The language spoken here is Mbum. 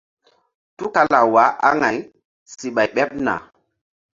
Tukala waah aŋay si ɓay ɓeɓ na.